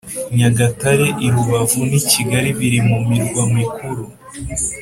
nyagatare i rubavu n i kigali biri mu mirwa mikuru